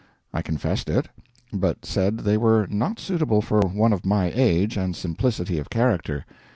I confessed it, but said they were not suitable for one of my age and simplicity of character.